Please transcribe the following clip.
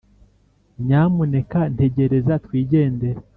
nyamuneka ntegereza twigendere.